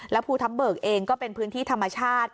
ภูทับเบิกเองก็เป็นพื้นที่ธรรมชาติ